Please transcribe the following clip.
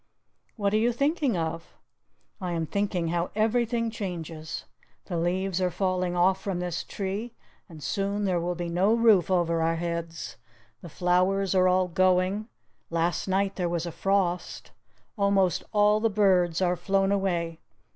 "What are you thinking of?" "I am thinking how everything changes: the leaves are falling off from this tree, and soon there will be no roof over our heads; the flowers are all going; last night there was a frost; almost all the birds are flown away.